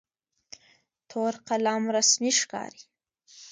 تور قلم رسمي ښکاري.